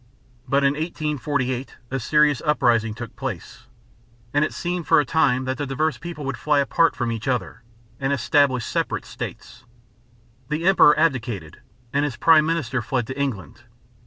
But in 1848 a serious uprising took place, and it seemed for a time that the diverse peoples would fly apart from each other and establish separate states. The emperor abdicated and his prime minister fled to England.